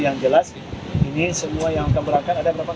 yang jelas ini semua yang akan berangkat ada berapa